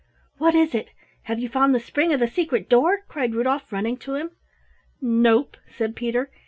"What is it? Have you found the spring of the secret door?" cried Rudolf, running to him. "Nope," said Peter.